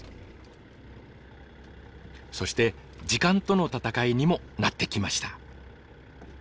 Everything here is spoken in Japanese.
そして時間との闘いにもなってきました。